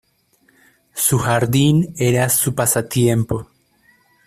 Su jardín era su pasatiempo.